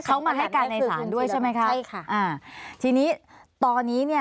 เขามันให้การในสารด้วยใช่ไหมคะอ่าทีนี้ตอนนี้